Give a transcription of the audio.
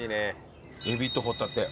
エビとホタテ。